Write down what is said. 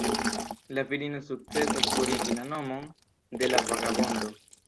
La virino sukcesas purigi la nomon de la vagabondo.